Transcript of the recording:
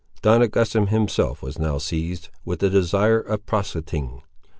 Don Augustin himself was now seized with the desire of proselyting.